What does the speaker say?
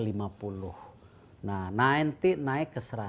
nah nanti naik ke seratus